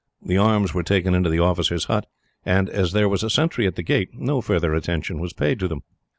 The arms were taken into the officer's hut, and as there was a sentry at the gate, no further attention was paid to them.